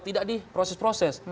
tidak di proses proses